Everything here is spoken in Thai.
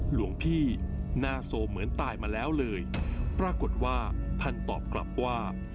หลวงพี่หน้าโซเหมือนตายมาแล้วเลยปรากฏว่าท่านตอบกลับว่า